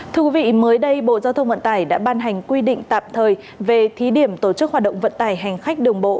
thưa quý vị mới đây bộ giao thông vận tải đã ban hành quy định tạm thời về thí điểm tổ chức hoạt động vận tải hành khách đường bộ